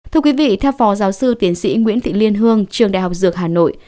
thưa quý vị theo phó giáo sư tiến sĩ nguyễn thị liên hương trường đại học dược hà nội